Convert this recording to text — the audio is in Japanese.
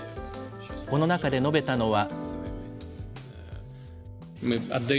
この中で述べたのは。